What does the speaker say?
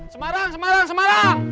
semarang semarang semarang